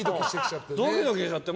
ドキドキしちゃって。